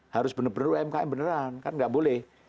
harus benar benar umkm beneran kan nggak boleh